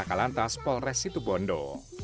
kalantas polresi tubondo